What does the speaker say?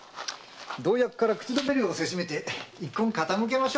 同役から口止め料をせしめて一献かたむけましょう。